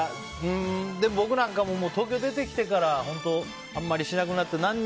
僕なんかも東京出てきてからあまりしなくなって。